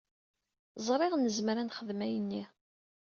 Ẓriɣ nezmer ad nexdem ayen-nni.